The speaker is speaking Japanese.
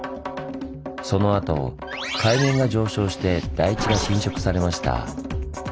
そのあと海面が上昇して台地が浸食されました。